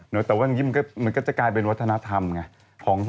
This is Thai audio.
แต่ว่าอย่างนี้มันก็จะกลายเป็นวัฒนธรรมไง